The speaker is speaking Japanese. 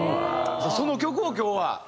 その曲を今日はひと節。